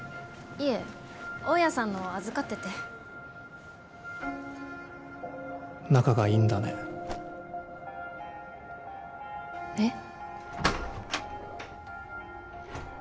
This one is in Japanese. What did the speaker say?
いえ大家さんのを預かってて仲がいいんだねえっ？